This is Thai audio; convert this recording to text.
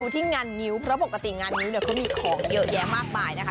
ที่งานงิ้วเพราะปกติงานงิ้วเนี่ยเขามีของเยอะแยะมากมายนะคะ